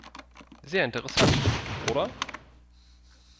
Sehr interessant, oder?